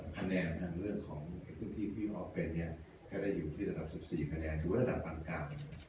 คะแนนทางเรื่องของการพื้นที่วิวออฟเป็นก็ได้อยู่ที่ระดับ๑๔คะแนนคือว่าระบันการ